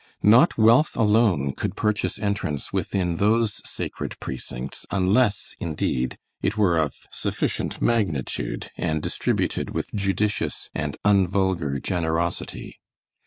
Not wealth alone could purchase entrance within those sacred precincts unless, indeed, it were of sufficient magnitude and distributed with judicious and unvulgar generosity.